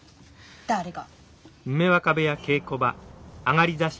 誰が。